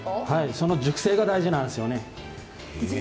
その熟成が大事なんですよね。